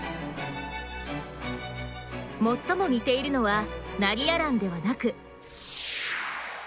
最も似ているのはナリヤランではなく。